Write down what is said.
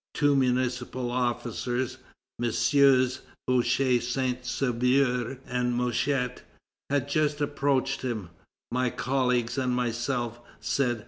Two municipal officers, MM. Boucher Saint Sauveur and Mouchet, had just approached him: "My colleagues and myself," said M.